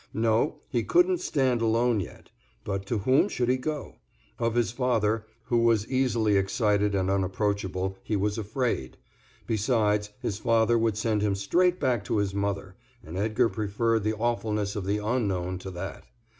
No, he could not stand alone yet. But to whom should he go? Of his father, who was easily excited and unapproachable, he was afraid. Besides, his father would send him straight back to his mother, and Edgar preferred the awfulness of the unknown to that.